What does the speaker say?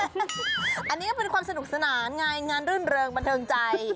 อันนี้ก็เป็นความสนุกสนานไงงานรื่นเริงบันเทิงใจ